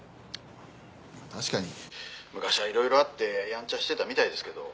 確かに昔はいろいろあってやんちゃしてたみたいですけど。